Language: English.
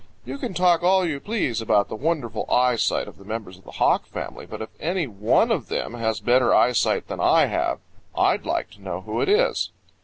You can talk all you please about the wonderful eyesight of the members of the Hawk family, but if any one of them has better eyesight than I have, I'd like to know who it is.